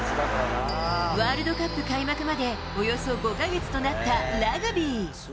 ワールドカップ開幕まで、およそ５か月となったラグビー。